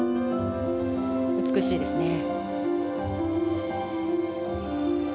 美しいですね。